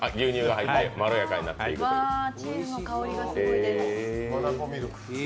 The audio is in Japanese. わー、チーズの香りがすごいです。